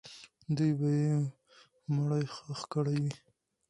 دوی به یې مړی ښخ کړی وو.